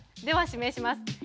では指名します。